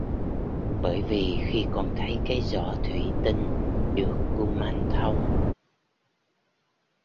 Bởi vì khi còn thấy cái giỏ thủy tinh được kumanthông